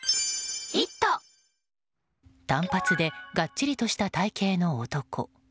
短髪で、がっちりした体形の男。